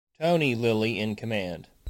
"Tony" Lilly in command.